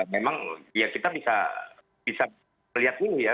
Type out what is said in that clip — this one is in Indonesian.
memang ya kita bisa melihat dulu ya